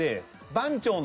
番長の。